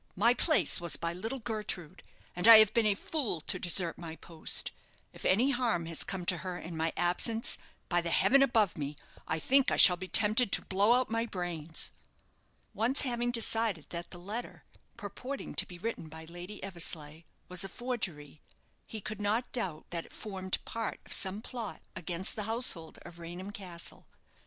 My place was by little Gertrude, and I have been a fool to desert my post. If any harm has come to her in my absence, by the heaven above me, I think I shall be tempted to blow out my brains." Once having decided that the letter, purporting to be written by Lady Eversleigh, was a forgery, he could not doubt that it formed part of some plot against the household of Raynham Castle.